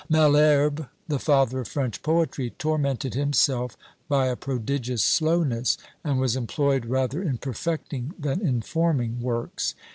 Malherbe, the father of French poetry, tormented himself by a prodigious slowness; and was employed rather in perfecting than in forming works.